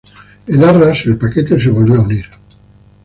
En Arras, el paquete se volvió a unir.